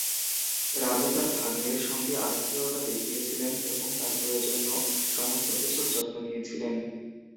রাজা তার ভাগনের সঙ্গে আতিথেয়তা দেখিয়েছিলেন এবং তার প্রয়োজনীয় সমস্তকিছুর যত্ন নিয়েছিলেন।